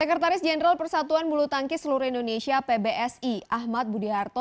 sekretaris jenderal persatuan bulu tangkis seluruh indonesia pbsi ahmad budiharto